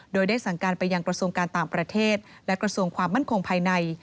โดยได้สั่งการไปยังกระทรวงการต่างประเทศและกระทรวงความมั่นคงภายใน